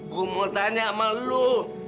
gue mau tanya sama lo